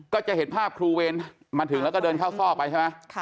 ก็จะเห็นภาพครูเวรมาถึงแล้วก็เดินเข้าซอกไปใช่ไหม